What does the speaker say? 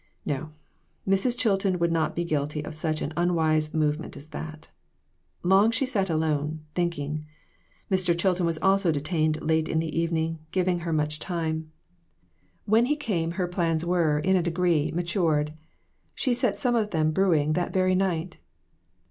No ; Mrs. Chilton would not be guilty of such an unwise movement as that. Long she sat alone, thinking ; Mr. Chilton was also detained late in the evening, giving her much time. 248 READY TO MAKE SACRIFICES. When he came her plans were, in a degree, matured. She set some of them brewing that very night.